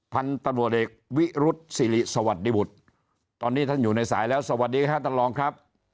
พันธุ์ตำรวจเอกวิรุษศิริสวัสดีบุตรตอนนี้ท่านอยู่ในสายแล้วสวัสดีค่ะท่านรองครับ